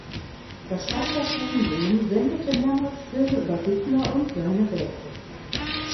Das Schweizer Fernsehen sendete mehrmals Filme über Bittner und seine Bären.